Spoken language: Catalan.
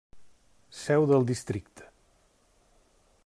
Seu del districte: